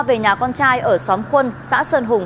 về nhà con trai ở xóm khuân xã sơn hùng